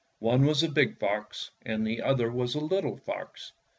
One was a big fox, and the other was a little fox.